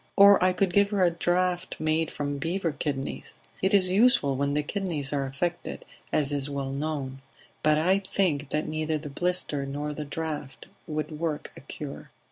Or I could give her a draught made from beaver kidneys; it is useful when the kidneys are affected, as is well known. But I think that neither the blister nor the draught would work a cure."